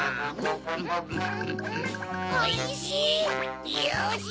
おいしい！